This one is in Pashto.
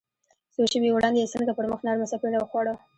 څو شېبې وړاندې يې څنګه پر مخ نرمه څپېړه وخوړه.